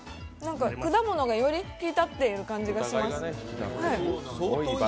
果物がより引き立ってる感じがします。